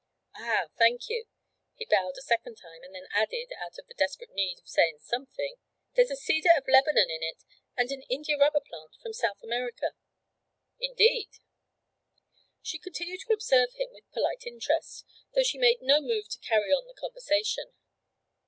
'Ah, thank you,' he bowed a second time, and then added out of the desperate need of saying something, 'There's a cedar of Lebanon in it and an india rubber plant from South America.' 'Indeed!' She continued to observe him with polite interest, though she made no move to carry on the conversation.